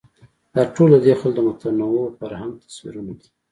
دا ټول ددې خلکو د متنوع فرهنګ تصویرونه دي.